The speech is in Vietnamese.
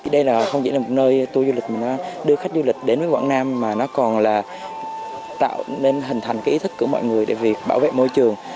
đây không chỉ là một nơi tour du lịch mà nó đưa khách du lịch đến với quảng nam mà nó còn là tạo nên hình thành cái ý thức của mọi người để việc bảo vệ môi trường